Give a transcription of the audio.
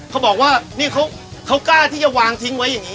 เขาบอกว่านี่เขากล้าที่จะวางทิ้งไว้อย่างนี้